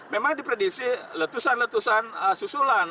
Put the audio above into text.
memang diprediksi letusan letusan susulan